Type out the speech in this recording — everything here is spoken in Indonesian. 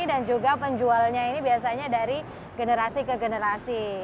juga penjualnya ini biasanya dari generasi ke generasi